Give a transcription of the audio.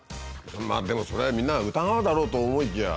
まあでもそれみんな疑うだろうと思いきや。